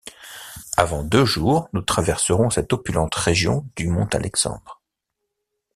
Avant deux jours nous traverserons cette opulente région du mont Alexandre.